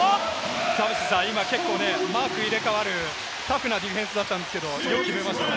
田臥さん、今、結構マーク入れ替わるタフなディフェンスだったんですけれども、よく決めましたね。